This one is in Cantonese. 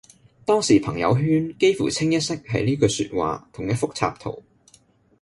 當時朋友圈幾乎清一色係呢句說話同一幅插圖